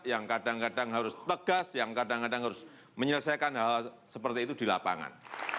yang kadang kadang harus tegas yang kadang kadang harus menyelesaikan hal hal seperti itu di lapangan